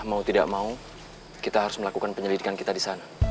mau tidak mau kita harus melakukan penyelidikan kita di sana